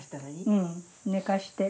うん寝かして。